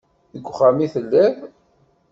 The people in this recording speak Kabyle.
Deg uxxam i telliḍ.